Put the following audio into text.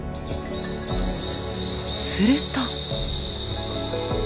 すると。